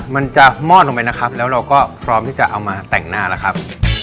มันจะมอดลงไปนะครับแล้วเราก็พร้อมที่จะเอามาแต่งหน้าแล้วครับ